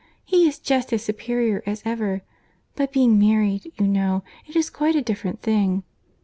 He is just as superior as ever;—but being married, you know, it is quite a different thing.